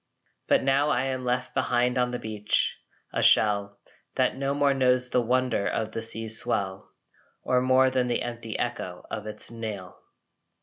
But now I am left behind on the beach a shell That no more knows the wonder of the sea's swell, Or more than the empty echo of its knell.